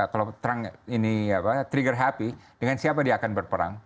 kalau trump ini trigger happy dengan siapa dia akan berperang